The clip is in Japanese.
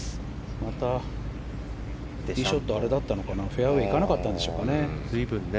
またティーショットがフェアウェーいかなかったんでしょうかね。